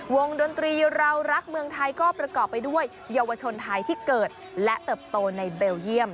ดนตรีเรารักเมืองไทยก็ประกอบไปด้วยเยาวชนไทยที่เกิดและเติบโตในเบลเยี่ยม